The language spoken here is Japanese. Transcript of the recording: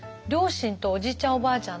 両親とおじいちゃんおばあ